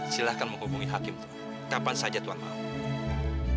silahkan menghubungi hakim kapan saja tuhan mau